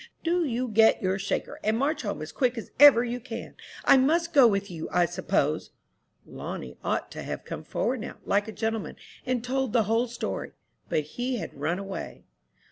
Do you get your shaker, and march home as quick as ever you can! I must go with you, I suppose." Lonnie ought to have come forward now, like a little gentleman, and told the whole story; but he had run away.